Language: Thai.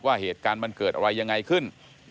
ว่าเหตุการณ์มันเกิดอะไรยังไงขึ้น